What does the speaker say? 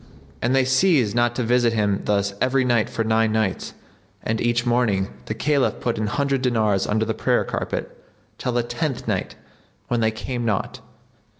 And they ceased not to visit him thus every night for nine nights; and each morning the Caliph put an hundred dinars under the prayer carpet, till the tenth night, when they came not.